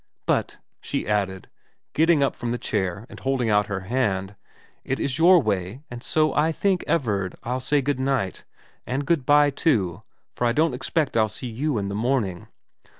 But,' she added, getting up from the chair and holding out her hand, ' it is your way, and so I think, Everard, I'll say good night. And good bye too, for I don't expect I'll see you in the morning.'